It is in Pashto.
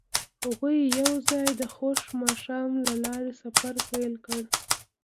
هغوی یوځای د خوښ ماښام له لارې سفر پیل کړ.